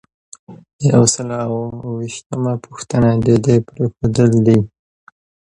یو سل او اووه ویشتمه پوښتنه د دندې پریښودل دي.